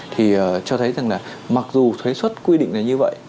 thì cho thấy rằng là mặc dù thuế xuất quy định là như vậy